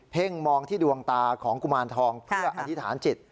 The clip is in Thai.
่งมองที่ดวงตาของกุมารทองเพื่ออธิษฐานจิต